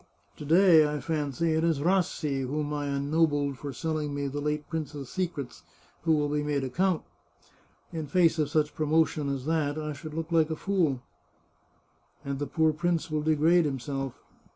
To day, I fancy, it is Rassi, whom I ennobled for selling me the late prince's secrets, who will be made a count. In face of such promo tion as that, I should look like a fool." " And the poor prince will degrade himself."